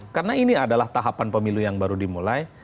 karena ini adalah tahapan pemilu yang baru dimulai